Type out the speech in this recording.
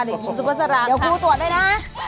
เดี๋ยวกินซูเปอร์สาราค่ะถืออันวงด้วยนะ